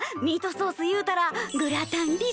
ミートソースいうたらグラタン